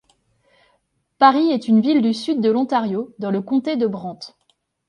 Paris est une ville du sud de l'Ontario, dans le comté de Brant.